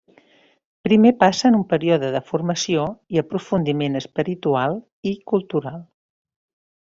Primer passen un període de formació i aprofundiment espiritual i cultural.